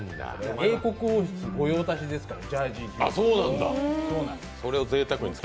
英国王室御用達ですから、ジャージー。